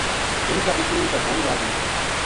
دھُند کا بِچوں بھربھانو آ گیو